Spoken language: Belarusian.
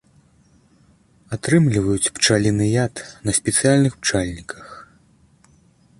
Атрымліваюць пчаліны яд на спецыяльных пчальніках.